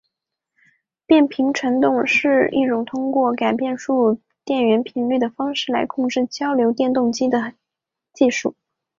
变频传动是一种通过改变输入电源频率的方式来控制交流电动机的技术。